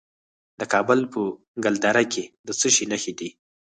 د کابل په ګلدره کې د څه شي نښې دي؟